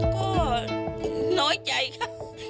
ก็น้อยใจค่ะ